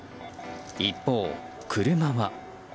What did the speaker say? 一方、車は。